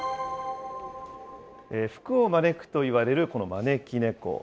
福を招くといわれるこの招き猫。